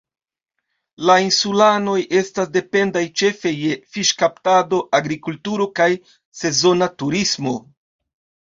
La insulanoj estas dependaj ĉefe je fiŝkaptado, agrikulturo kaj sezona turismo.